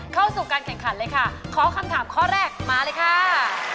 เข้าสู่การแข่งขันเลยค่ะขอคำถามข้อแรกมาเลยค่ะ